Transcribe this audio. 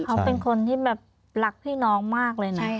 เขาเป็นคนที่แบบรักพี่น้องมากเลยนะ